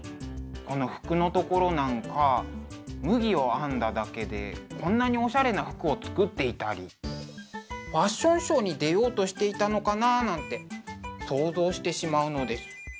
この服のところなんか麦を編んだだけでこんなにおしゃれな服を作っていたりファッションショーに出ようとしていたのかななんて想像してしまうのです。